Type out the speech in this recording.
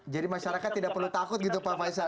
jadi masyarakat tidak perlu takut gitu pak faisal ya